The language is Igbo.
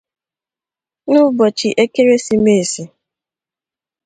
N’ụbọchị ekeresimesi